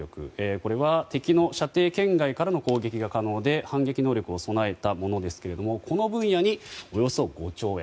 これは敵の射程圏外からの攻撃が可能で反撃能力を備えたものですがこの分野におよそ５兆円。